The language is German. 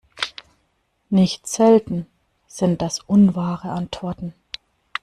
Nicht selten sind das unwahre Antworten.